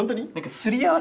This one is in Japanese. すり合わせ？